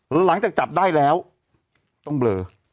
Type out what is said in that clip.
หลังจากจับได้แล้วต้องเบลอ